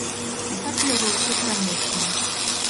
А так у яго ўсё па-ранейшаму.